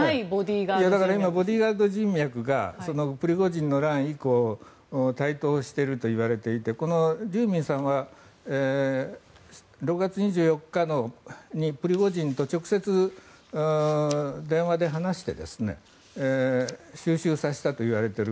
今、ボディーガード人脈がプリゴジンの乱以降台頭しているといわれていてこのデューミンさんは６月２４日にプリゴジンと直接、電話で話して収拾させたといわれている。